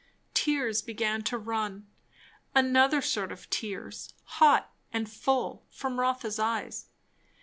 Tears began to run, another sort of tears, hot and full, from Rotha's eyes.